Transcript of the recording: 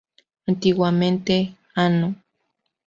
Antiguamente, "Anno".